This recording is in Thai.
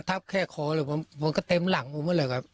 ก็ทับแค่ขอเลยผมก็เต็มหลังผมก็เลยครับ